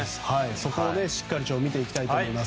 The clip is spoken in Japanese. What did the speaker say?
そこをしっかり見ていきたいと思います。